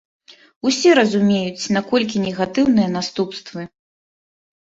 Усе разумеюць, наколькі негатыўныя наступствы.